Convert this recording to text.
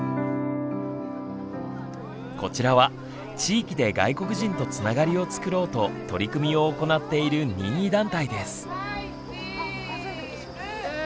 こちらは地域で外国人とつながりをつくろうと取り組みを行っている任意団体です。